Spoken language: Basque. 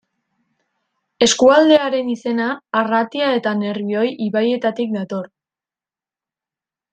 Eskualdearen izena Arratia eta Nerbioi ibaietatik dator.